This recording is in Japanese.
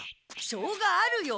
しょうがあるよ。